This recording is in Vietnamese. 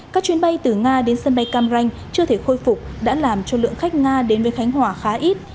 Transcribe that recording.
các chuyến bay từ nga đến sân bay cam ranh chưa thể khôi phục đã làm cho lượng khách nga đến với khánh hòa khá ít